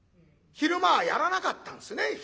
昼間はやらなかったんですね。